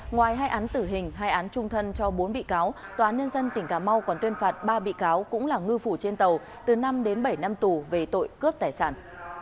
ngoài hai án tử hình hai án trung thân cho bốn bị cáo tòa án nhân dân tỉnh cà mau còn tuyên phạt ba bị cáo cũng là ngư phủ trên tàu từ năm đến bảy năm tù về tội cướp tài sản